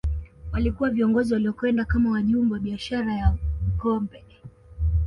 Walikuwa viongozi waliokwenda kama wajumbe wa biashara ya ngombe